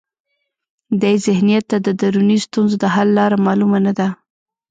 دې ذهنیت ته د دروني ستونزو د حل لاره معلومه نه ده.